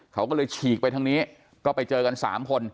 เขาก็เลยฉีกไปทางนี้ก็ไปเจอกัน๓คน